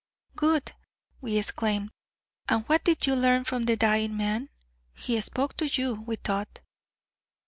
"Good!" we exclaimed. "And what did you learn from the dying man? He spoke to you, we thought."